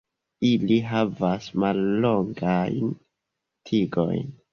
Ili havas mallongajn tigojn.